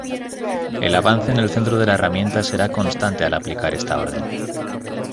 El avance en el centro de la herramienta será constante al aplicar esta orden.